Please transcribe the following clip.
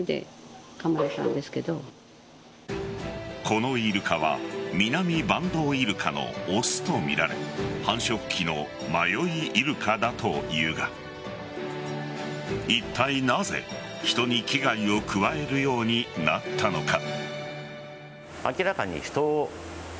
このイルカはミナミバンドウイルカのオスとみられ繁殖期の迷いイルカだというがいったいなぜ人に危害を加えるようになったのか。